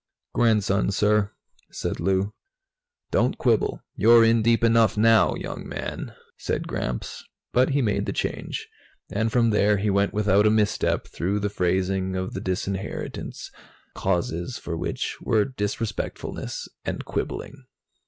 "Grandson, sir," said Lou. "Don't quibble. You're in deep enough now, young man," said Gramps, but he made the change. And, from there, he went without a misstep through the phrasing of the disinheritance, causes for which were disrespectfulness and quibbling.